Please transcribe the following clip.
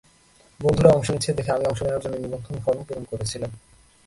বন্ধুরা অংশ নিচ্ছে দেখে আমিও অংশ নেওয়ার জন্য নিবন্ধন ফরম পূরণ করেছিলাম।